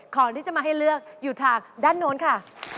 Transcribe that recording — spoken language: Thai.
ของที่จะมาให้เลือกอยู่ทางด้านโน้นค่ะ